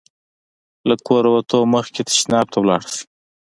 له کوره وتلو مخکې تشناب ته ولاړ شئ.